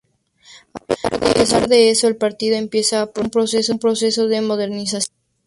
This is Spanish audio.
A pesar de eso, el partido empieza un proceso de modernización.